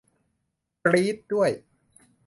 กรี๊ดด้วย !